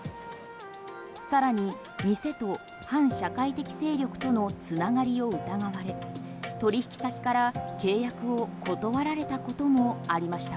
さらに店と反社会的勢力との繋がりを疑われ取引先から契約を断られたこともありました。